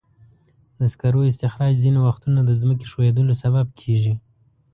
د سکرو استخراج ځینې وختونه د ځمکې ښویېدلو سبب کېږي.